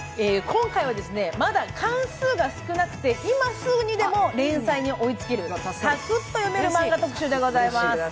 今回は、まだ巻数が少なくて今すぐにでも連載に追いつけるサクッと読めるマンガ特集でございます。